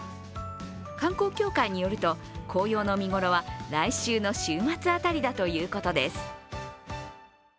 観光協会によると紅葉の見頃は来週の週末辺りだということです。